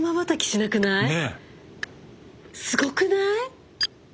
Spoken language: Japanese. すごくない？